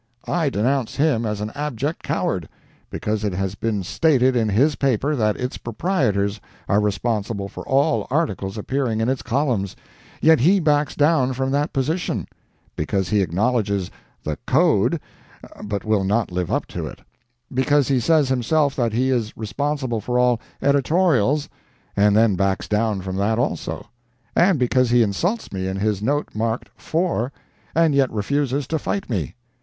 I denounce him as an abject coward, because it has been stated in his paper that its proprietors are responsible for all articles appearing in its columns, yet he backs down from that position; because he acknowledges the "code," but will not live up to it; because he says himself that he is responsible for all "editorials," and then backs down from that also; and because he insults me in his note marked "IV," and yet refuses to fight me.